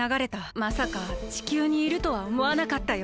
まさか地球にいるとはおもわなかったよ。